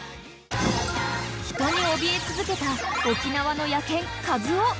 ［人におびえ続けた沖縄の野犬カズオ］